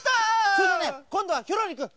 それでねこんどはヒョロリくん！